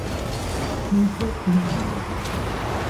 Cupo in viso.